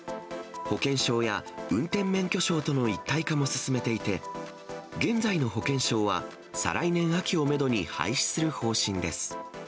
保険証や運転免許証との一体化も進めていて、現在の保険証は再来年秋をメドに廃止する方針です。